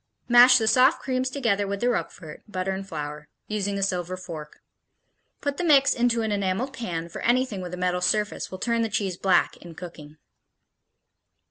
Mash the soft creams together with the Roquefort, butter and flour, using a silver fork. Put the mix into an enameled pan, for anything with a metal surface will turn the cheese black in cooking.